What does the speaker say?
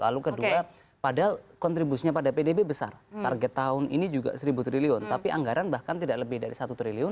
lalu kedua padahal kontribusinya pada pdb besar target tahun ini juga seribu triliun tapi anggaran bahkan tidak lebih dari satu triliun